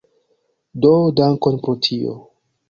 Do, dankon pro tio